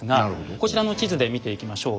こちらの地図で見ていきましょう。